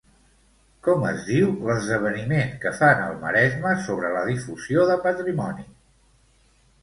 Com es diu l'esdeveniment que fan al Maresme sobre la difusió de patrimoni?